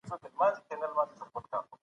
سياستپوهنه د دولتي قدرت لېږد ته ویل کېږي.